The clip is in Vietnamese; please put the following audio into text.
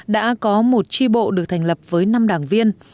đã có một tri bộ được thành lập với năm đảng viên